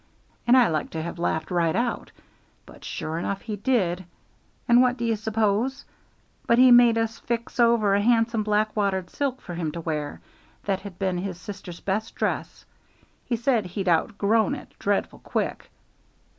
and I like to have laughed right out. But sure enough he did, and what do you suppose but he made us fix over a handsome black watered silk for him to wear, that had been his sister's best dress. He said he'd outgrown it dreadful quick.